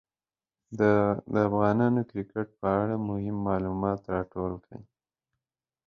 ده د افغان کرکټ په اړه مهم معلومات راټول کړي.